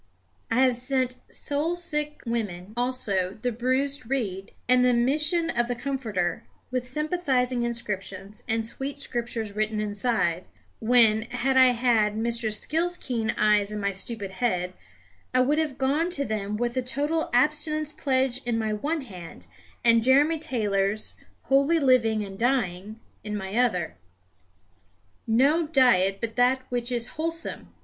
I have sent soul sick women also The Bruised Reed, and The Mission of the Comforter with sympathising inscriptions, and sweet scriptures written inside, when, had I had Mr. Skill's keen eyes in my stupid head, I would have gone to them with the total abstinence pledge in my one hand, and Jeremy Taylor's Holy Living and Dying in my other. "No diet but that which is wholesome!"